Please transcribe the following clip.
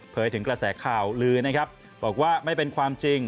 ถึงกระแสข่าวลือนะครับบอกว่าไม่เป็นความจริง